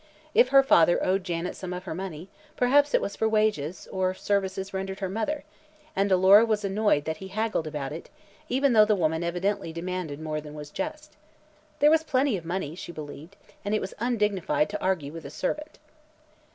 If her father owed Janet some of her money, perhaps it was for wages, or services rendered her mother, and Alora was annoyed that he haggled about it, even though the woman evidently demanded more than was just. There was plenty of money, she believed, and it was undignified to argue with a servant.